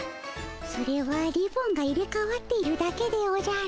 それはリボンが入れかわっているだけでおじゃる。